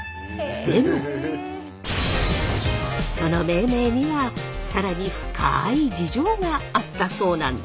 でもその命名には更に深い事情があったそうなんです。